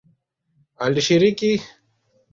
Alishirikishwa katika wimbo wa Japo Nafasi wa Cpwaa